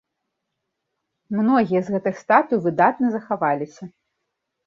Многія з гэтых статуй выдатна захаваліся.